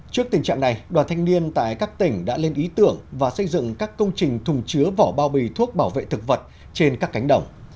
trước tình trạng này đoàn thanh niên tại các tỉnh đã lên ý tưởng và xây dựng các công trình thùng chứa vỏ bao bì thuốc bảo vệ thực vật trên các cánh đồng